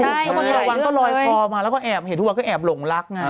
ในความจรรวรณก็ลอยคอมาแล้วเห็นทุกวันก็อาบหลงลักไง